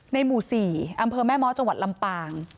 ในหมู่๔อแม่ม้อจลำปาง